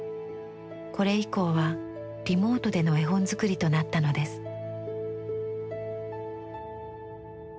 これ以降はリモートでの絵本作りとなったのです。